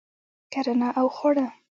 کرنه او خواړه